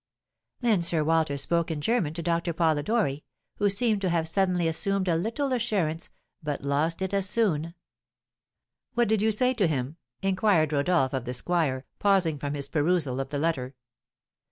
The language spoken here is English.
Then Sir Walter spoke in German to Doctor Polidori, who seemed to have suddenly assumed a little assurance, but lost it as soon." "What did you say to him?" inquired Rodolph of the squire, pausing from his perusal of the letter.